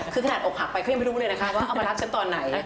คือขนาดอกหักไปเขายังไม่รู้เลยนะคะว่าเอามารับฉันตอนไหน